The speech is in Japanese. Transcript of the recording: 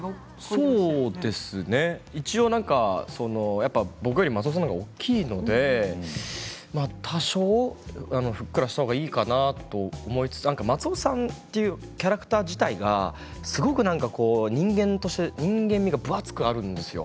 そうですね一応、なんか僕より松尾さんのほうが大きいので多少ふっくらしたほうがいいかなと思いつつ松尾さんというキャラクター自体がすごくなんか人間として人間味が分厚くあるんですよ。